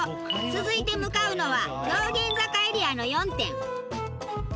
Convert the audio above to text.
続いて向かうのは道玄坂エリアの４店。